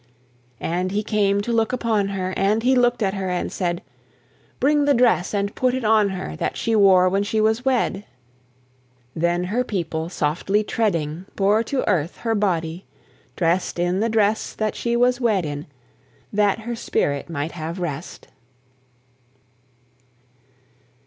And he came to look upon her, And he look'd at her and said, "Bring the dress and put it on her That she wore when she was wed." Then her people, softly treading, Bore to earth her body, drest In the dress that she was wed in, That her spirit might have rest.